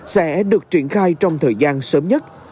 sẽ được triển khai trong thời gian sớm nhất